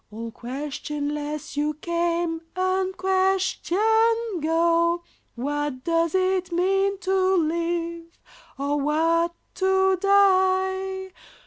All questionless you came, unquestioned go; What does it mean to live, or what to die?